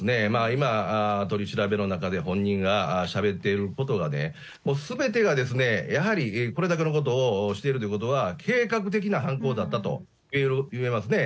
今、取り調べの中で本人がしゃべっていることがね、もうすべてがですね、やはりこれだけのことをしているということは、計画的な犯行だったといえますね。